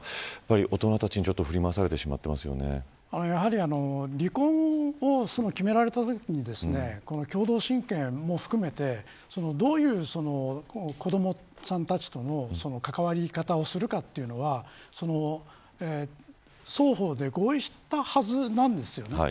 大人たちに離婚を決められたときに共同親権も含めてどういう、子どもさんたちとの関わり方をするかというのは双方で合意したはずなんです。